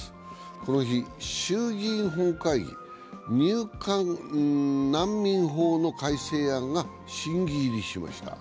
この日、衆議院本会議で入管難民法の改正案が審議入りしました。